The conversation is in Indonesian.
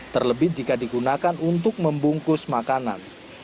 terlebih jika digunakan untuk membungkus makanan